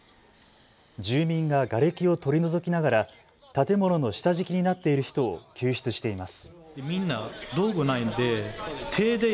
住民ががれきを取り除きながら建物の下敷きになっている人を救出しています。